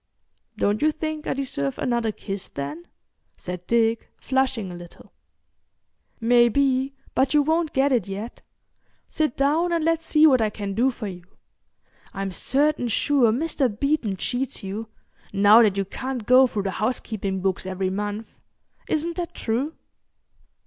"Don't you think I deserve another kiss, then?" said Dick, flushing a little. "Maybe—but you won't get it yet. Sit down and let's see what I can do for you. I'm certain sure Mr. Beeton cheats you, now that you can't go through the housekeeping books every month. Isn't that true?"